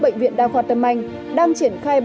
bệnh viện đào khoa tâm anh đang triển khai